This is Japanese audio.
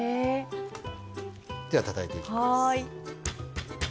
では、たたいていきます。